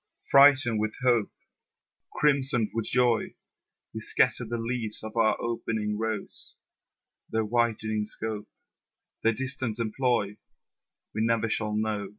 Freighted with hope, Crimsoned with joy, We scatter the leaves of our opening rose; Their widening scope, Their distant employ, We never shall know.